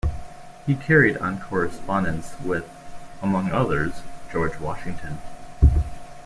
He carried on correspondence with, among others, George Washington.